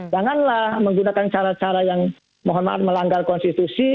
janganlah menggunakan cara cara yang mohon maaf melanggar konstitusi